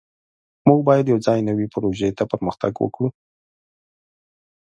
موږ باید یوځای نوې پروژې ته پرمختګ وکړو.